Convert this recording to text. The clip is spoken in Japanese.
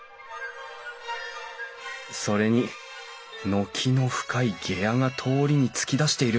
それに軒の深い下屋が通りに突き出している。